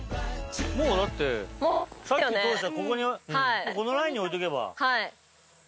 もうだってさっき通したこのラインに置いとけば。